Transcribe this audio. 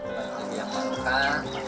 jadi yang membutuhkan